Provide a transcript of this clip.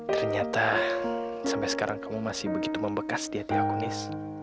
ternyata sampai sekarang kamu masih begitu membekas di hati akunis